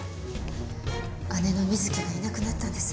姉の瑞希がいなくなったんです。